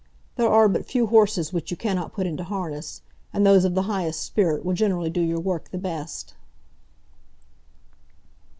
There are but few horses which you cannot put into harness, and those of the highest spirit will generally do your work the best.